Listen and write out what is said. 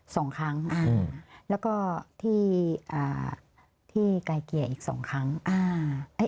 สองครั้งอ่าแล้วก็ที่อ่าที่ที่ไกลเกลี่ยอีกสองครั้งอ่า